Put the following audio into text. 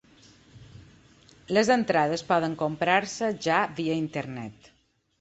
Les entrades poden comprar-se ja via internet.